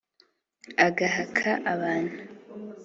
agahaka abantu!